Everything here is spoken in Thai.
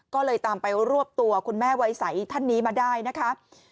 ก็เลยตามไปรวบตัวคุณแม่วัยใสท่านนี้มาได้นะคะ